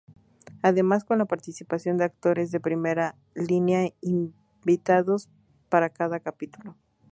Además con la participación de actores de primera línea invitados para cada capítulo.